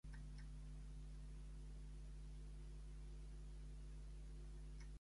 Los presos delatores son constantemente acosados por los demás.